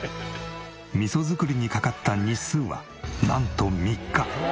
味噌作りにかかった日数はなんと３日。